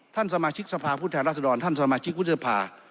ท่านสมาชิกสภาพผู้แทนรัศดรท่านสมาชิกวุฒิภา